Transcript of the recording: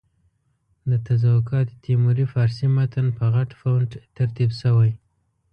د تزوکات تیموري فارسي متن په غټ فونټ ترتیب شوی.